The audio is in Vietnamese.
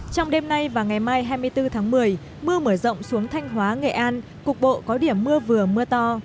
trong đêm nay và ngày mai hai mươi bốn tháng một mươi mưa mở rộng xuống thanh hóa nghệ an cục bộ có điểm mưa vừa mưa to